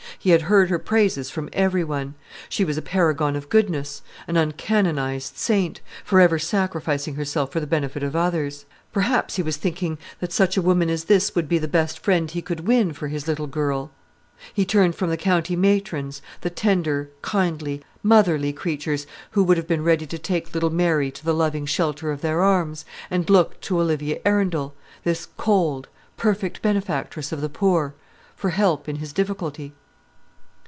He had heard her praises from every one. She was a paragon of goodness, an uncanonised saint, for ever sacrificing herself for the benefit of others. Perhaps he was thinking that such a woman as this would be the best friend he could win for his little girl. He turned from the county matrons, the tender, kindly, motherly creatures, who would have been ready to take little Mary to the loving shelter of their arms, and looked to Olivia Arundel this cold, perfect benefactress of the poor for help in his difficulty.